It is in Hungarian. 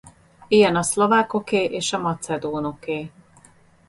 Ilyen a szlovákoké és a macedónoké.